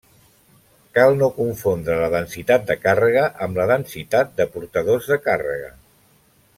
Cal no confondre la densitat de càrrega amb la densitat de portadors de càrrega.